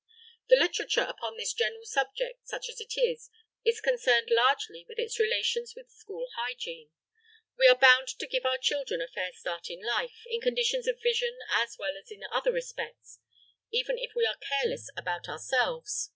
The literature upon this general subject, such as it is, is concerned largely with its relations with school hygiene. We are bound to give our children a fair start in life, in conditions of vision as well as in other respects, even if we are careless about ourselves.